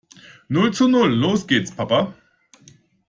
Null zu Null. Los gehts Papa.